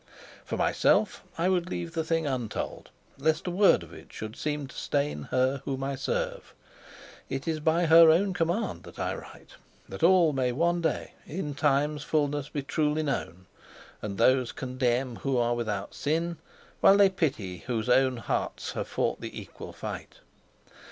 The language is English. For myself I would leave the thing untold, lest a word of it should seem to stain her whom I serve; it is by her own command I write, that all may one day, in time's fullness, be truly known, and those condemn who are without sin, while they pity whose own hearts have fought the equal fight.